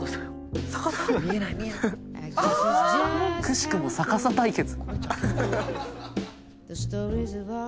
くしくも逆さ対決。